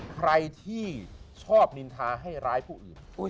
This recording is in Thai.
ใครที่ชอบนินทาให้ร้ายผู้อื่น